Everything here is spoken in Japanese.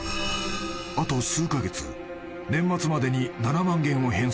［あと数カ月年末までに７万元を返済しろ］